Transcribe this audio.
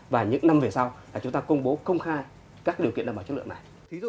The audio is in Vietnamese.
và những năm về sau chúng ta công bố công khai các điều kiện đảm bảo chất lượng này